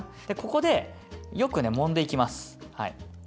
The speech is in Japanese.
でここでよくねもんでいきます。